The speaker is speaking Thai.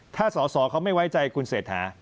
ถ้าสอบเขาไม่ไว้ใจคุณเสธา